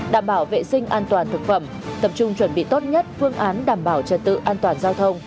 đảm bảo vệ sinh an toàn thực phẩm tập trung chuẩn bị tốt nhất phương án đảm bảo trật tự an toàn giao thông